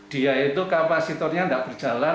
dia itu kapasitornya tidak berjalan